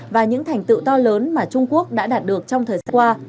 và những thành tựu to lớn mà trung quốc đã đạt được trong thời gian qua